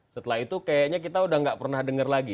setelah itu kayaknya kita sudah tidak pernah dengar lagi